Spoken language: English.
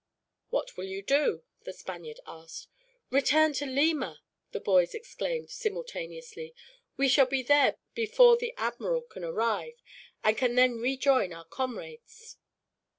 "What will you do?" the Spaniard asked. "Return to Lima!" the boys exclaimed, simultaneously. "We shall be there before the admiral can arrive, and can then rejoin our comrades."